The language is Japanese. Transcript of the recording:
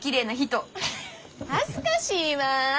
恥ずかしいわあ。